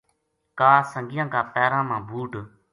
کا سنگیاں کا پیراں ما بُوٹ